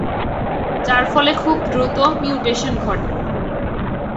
যার ফলে এতে খুব দ্রুত মিউটেশন ঘটে।